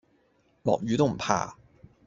落雨都唔怕